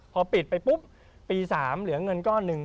พอปิดไปปุ๊บปี๓เหลือเงินก้อนหนึ่ง